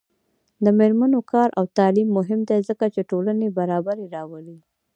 د میرمنو کار او تعلیم مهم دی ځکه چې ټولنې برابري راولي.